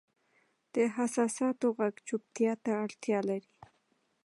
د احساساتو ږغ چوپتیا ته اړتیا لري.